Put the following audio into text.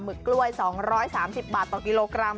ึกกล้วย๒๓๐บาทต่อกิโลกรัม